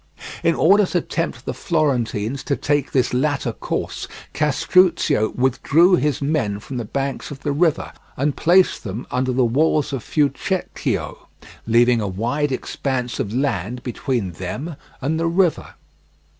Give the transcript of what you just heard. In order to tempt the Florentines to take this latter course, Castruccio withdrew his men from the banks of the river and placed them under the walls of Fucecchio, leaving a wide expanse of land between them and the river.